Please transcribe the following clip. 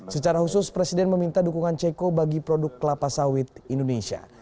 secara khusus presiden meminta dukungan ceko bagi produk kelapa sawit indonesia